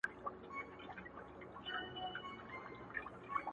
نن والله پاك ته لاسونه نيسم.